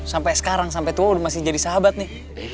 sampai sekarang sampai tua masih jadi sahabat nih